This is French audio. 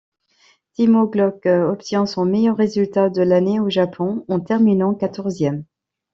Timo Glock obtient son meilleur résultat de l'année au Japon, en terminant quatorzième.